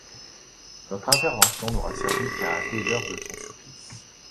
Notre intervention n’aura servi qu’à hâter l’heure de son supplice !